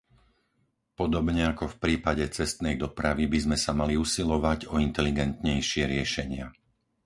Podobne ako v prípade cestnej dopravy by sme sa mali usilovať o inteligentnejšie riešenia.